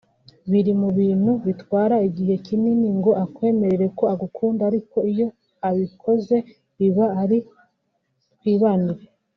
biri mu bintu bitwara igihe kinini ngo akwemerere ko agukunda ariko iyo abikoze biba ari twibanire